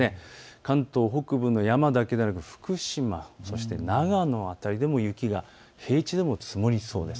関東北部の山だけではなく福島、そして長野辺りでも雪が平地でも積もりそうです。